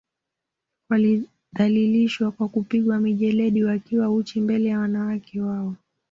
Walidhalishwa kwa kupigwa mijeledi wakiwa uchi mbele ya wanawake wao